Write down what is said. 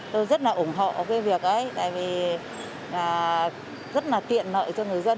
tôi rất là ủng hộ cái việc ấy tại vì rất là tiện lợi cho người dân